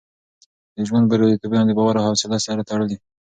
د ژوند بریالیتوب د باور او حوصله سره تړلی دی.